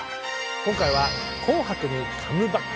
今回は「紅白」にカムバック！